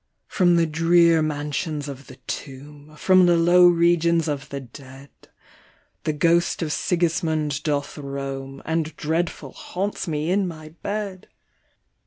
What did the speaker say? " From the drear mansions of the tomb, From the low regions of the dead, The ghost of Sigismnnd doth roam, And dreadful haunts me in my bed